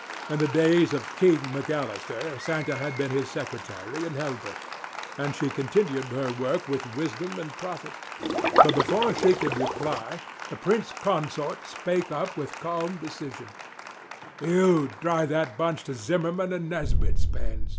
In the days of "King" McAllister, Santa had been his secretary and helper; and she had continued her work with wisdom and profit. But before she could reply, the prince consort spake up with calm decision: "You drive that bunch to Zimmerman and Nesbit's pens.